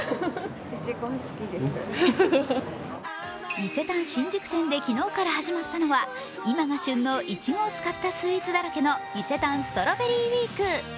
伊勢丹新宿店で昨日から始まったのは今が旬のいちごを使ったスイーツだらけのＩＳＥＴＡＮストロベリーＷＥＥＫ。